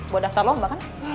buat daftar lo bahkan